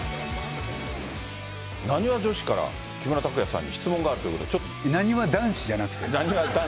なにわ女子から、木村拓哉さんに質問があるということで、ちなにわ男子じゃなくて？